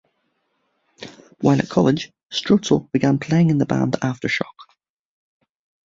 While at college Stroetzel began playing in the band Aftershock.